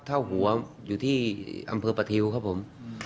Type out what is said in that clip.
เท่าหัวอยู่ที่อำเภอประทิวครับผม